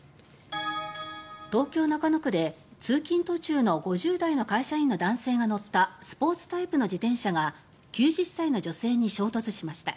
東京・中野区で通勤途中の５０代の会社員の男性が乗ったスポーツタイプの自転車が９０歳の女性に衝突しました。